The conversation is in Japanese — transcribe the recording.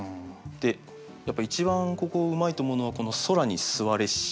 でやっぱ一番ここうまいと思うのはこの「空に吸はれし」。